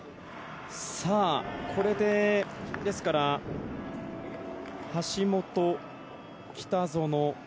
これで、ですから橋本、北園